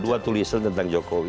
dua tulisan tentang jokowi